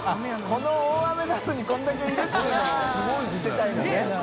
この大雨なのにこんだけいるっていうのを擦燭い里諭すげぇな。